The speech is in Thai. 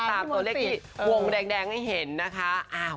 ตามตัวเลขที่วงแดงให้เห็นนะคะ